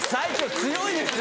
強いですよ